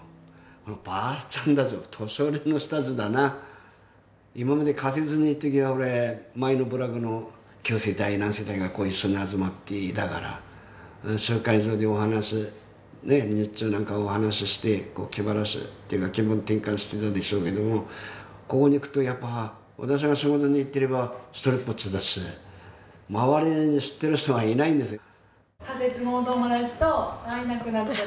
このばあちゃん達年寄りの人達だな今まで仮設にいる時はほれ前の部落の９世帯何世帯が一緒に集まっていたから集会所でお話日中なんかお話しして気晴らしっていうか気分転換してたでしょうけどもここに来ると私が仕事に行ってればひとりぼっちだし周りに知ってる人がいないんですよ